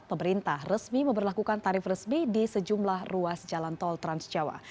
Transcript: pemerintah resmi memperlakukan tarif resmi di sejumlah ruas jalan tol transjawa